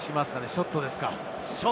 ショットですか？